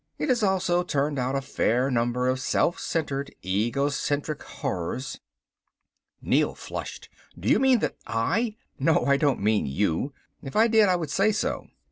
It has also turned out a fair number of self centered, egocentric horrors." Neel flushed. "Do you mean that I " "No, I don't mean you. If I did, I would say so.